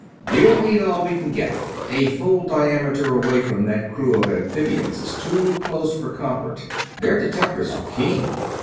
"We'll need all we can get. A full diameter away from that crew of amphibians is too close for comfort their detectors are keen."